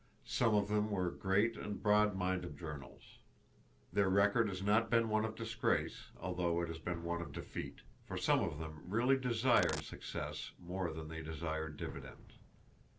Some of them were great and broad minded journals. Their record has not been one of disgrace, although it has been one of defeat; for some of them really desired success more than they desired dividends.